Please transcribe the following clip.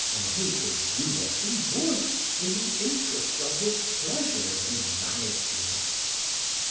Henri could do what he would in the interest of his pleasures and vanities.